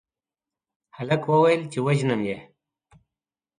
هلک وويل چې وژنم يې